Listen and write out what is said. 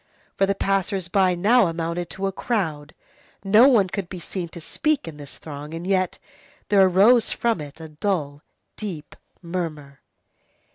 For the passers by now amounted to a crowd. No one could be seen to speak in this throng, and yet there arose from it a dull, deep murmur.